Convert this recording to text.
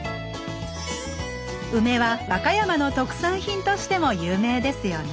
梅は和歌山の特産品としても有名ですよね